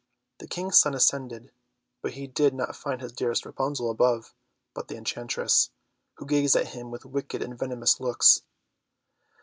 The King's son ascended, but he did not find his dearest Rapunzel above, but the enchantress, who gazed at him with wicked and venomous looks.